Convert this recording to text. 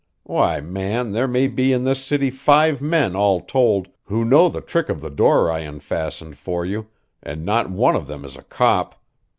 Why, man, there may be in this city five men all told, who know the trick of the door I unfastened for you, and not one of them is a cop.